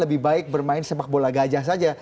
lebih baik bermain sepak bola gajah saja